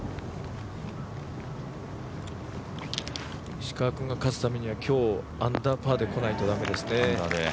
石川君が勝つためには今日アンダーパーで来ないとだめですね。